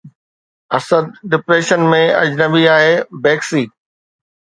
Asad depression ۾ اجنبي آهي، بيڪسي